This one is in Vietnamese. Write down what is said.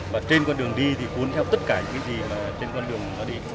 và trên con đường đi thì cuốn theo tất cả những cái gì trên con đường nó đi